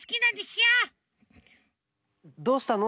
どうしたの？